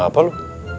nah apa lu